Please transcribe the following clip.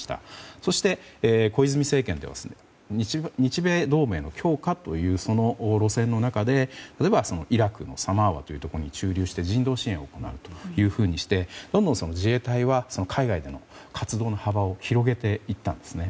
そして、小泉政権では日米同盟の強化というその路線の中で、例えばイラクのサマワというところに駐留して人道支援を行うなどしてどんどん自衛隊は海外での活動の幅を広げていったんですね。